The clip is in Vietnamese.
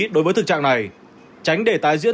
đối với thực trạng này tránh để tái diễn